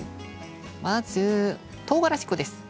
まず、とうがらし粉です。